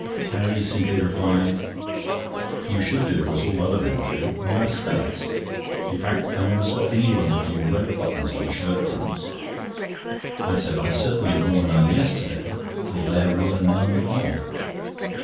Carrie simply replied: "You should do as all other men do, and wear studs. In fact, I never saw anyone but you wear buttons on the shirt fronts." I said: "I certainly wore none yesterday, for there were none on."